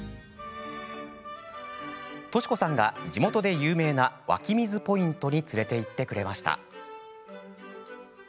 敏子さんが地元で有名な湧き水ポイントに連れていってくれました。